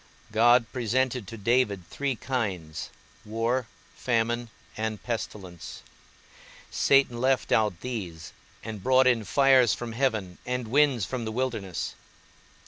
God presented to David three kinds, war, famine and pestilence; Satan left out these, and brought in fires from heaven and winds from the wilderness.